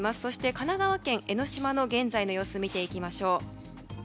神奈川県江の島の現在の様子を見ていきましょう。